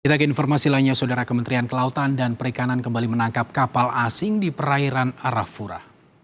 kita ke informasi lainnya saudara kementerian kelautan dan perikanan kembali menangkap kapal asing di perairan arafura